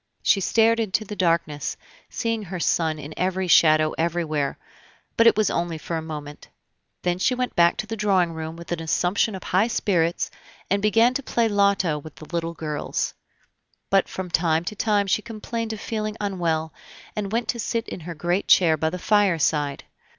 She stared into the darkness, seeing her son in every shadow everywhere; but it was only for a moment. Then she went back to the drawing room with an assumption of high spirits, and began to play at loto with the little girls. But from time to time she complained of feeling unwell, and went to sit in her great chair by the fireside.